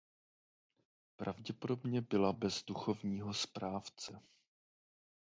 Pravděpodobně byla bez duchovního správce.